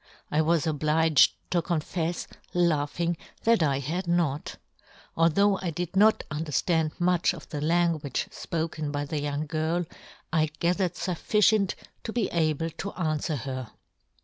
I was obliged to confefs, laughing, that " I had not. Although I did not " underftand much of the language " fpoken by the young girl, I ga •7 130 "John Gutenberg. " thered fufficient to be able to an " fwer her.